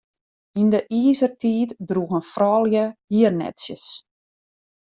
Yn de Izertiid droegen froulju hiernetsjes.